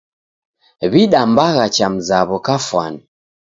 W'idambagha cha mzaw'o kafwani.